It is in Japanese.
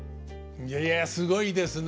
いやいやすごいですね。